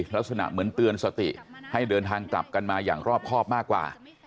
ลักษณะเหมือนเตือนสติให้เดินทางกลับกันมาอย่างรอบครอบมากกว่า